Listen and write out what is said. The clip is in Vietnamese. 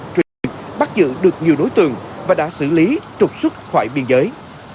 truyền hình bắt giữ được nhiều đối tượng và đã xử lý trục xuất khỏi biên giới